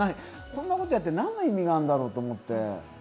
こんなことやって、何の意味があるんだろうと思って。